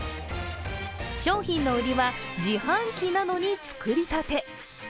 商品の売りは、自販機なのに作りたて。